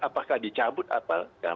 apakah dicabut atau